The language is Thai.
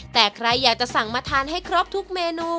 แต่ใครอยากจะสั่งมาทานให้ครบทุกเมนู